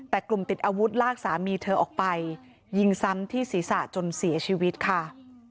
แต่กลุ่มติดอาวุธลากสามีเธอออกไปยิงซ้ำที่ศีรษะจนเสียชีวิตค่ะ